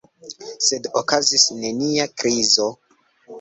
Sed okazis nenia krizo.